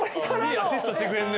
いいアシストしてくれるね。